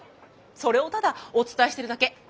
それをただお伝えしてるだけ。